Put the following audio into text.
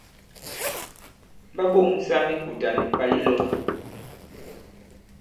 Ɓa ɓoŋsa mikùtà nì pà yi lɔ̄ma.